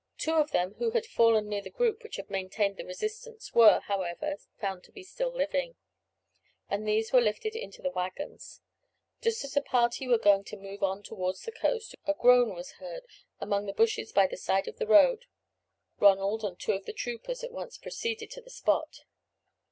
Two of them who had fallen near the group which had maintained the resistance were, however, found to be still living, and these were lifted into the waggons. Just as the party were going to move on towards the coast, a groan was heard among the bushes by the side of the road. Ronald and two of the troopers at once proceeded to the spot.